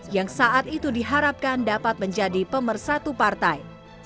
yang saat itu diharapkan dapat menjadi pemersatu partai